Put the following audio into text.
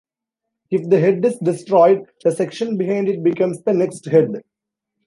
If the head is destroyed, the section behind it becomes the next head.